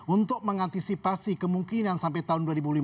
untuk mengantisipasi kemungkinan sampai tahun dua ribu lima belas